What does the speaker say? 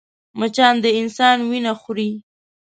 مچان د انسان وينه خوري